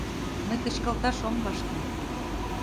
Мый кычкалташ ом вашке